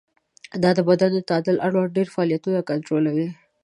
دا د بدن د تعادل اړوند ډېری فعالیتونه کنټرولوي.